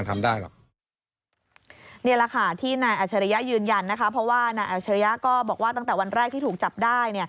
เพราะว่านายอัชริยะก็บอกว่าตั้งแต่วันแรกที่ถูกจับได้